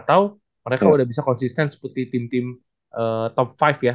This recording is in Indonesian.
atau mereka sudah bisa konsisten seperti tim tim top lima ya